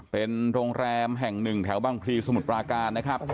เป็นโรงแรมแห่งหนึ่งแถวบางพลีสมุทรปราการนะครับ